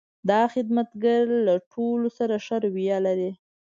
دا خدمتګر له ټولو سره ښه رویه لري.